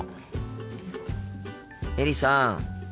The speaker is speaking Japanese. エリさん。